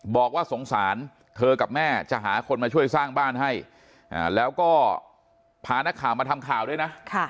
บอกว่าสงสารเธอกับแม่จะหาคนมาช่วยสร้างบ้านให้แล้วก็พานักข่าวมาทำข่าวด้วยนะ